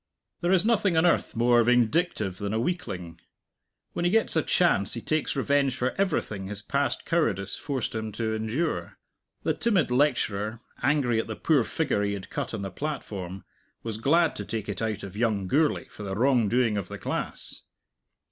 There is nothing on earth more vindictive than a weakling. When he gets a chance he takes revenge for everything his past cowardice forced him to endure. The timid lecturer, angry at the poor figure he had cut on the platform, was glad to take it out of young Gourlay for the wrongdoing of the class.